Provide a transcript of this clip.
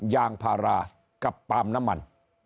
ยางพารากับปาล์มน้ำมัน